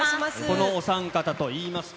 このお３方といいますと。